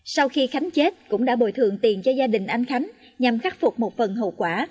sau khi khánh chết cũng đã bồi thường tiền cho gia đình anh khánh nhằm khắc phục một phần hậu quả